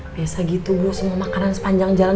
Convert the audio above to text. biasa gitu bu semua makanan sepanjang jalan